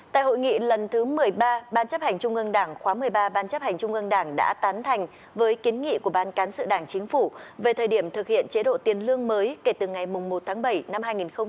tại hội nghị lần thứ một mươi ba ban chấp hành trung ương đảng đã tán thành với kiến nghị của ban cán sự đảng chính phủ về thời điểm thực hiện chế độ tiền lương mới kể từ ngày một tháng bảy năm hai nghìn hai mươi hai